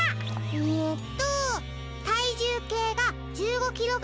えっと。